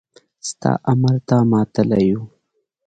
ستا امر ته ماتله يو.